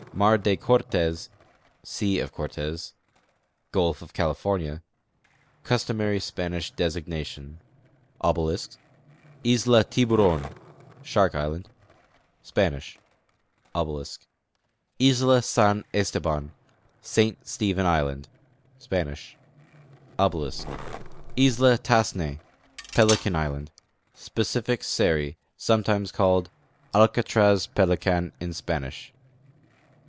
Mar de Cortez (Sea of Cortez = Gulf of California) : Customary Spanish designation. tIslaTiburon (Shark island): Spanish. t Isla San Esteban (Saint Stephen island) : Spanish. t Isla Tas5s'ne (Pelican island) : Specific Seri (sometimes called Alcatraz — Pelican in Spanish).